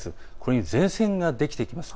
前線ができてきます。